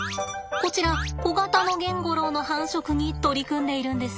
こちらコガタノゲンゴロウの繁殖に取り組んでいるんです。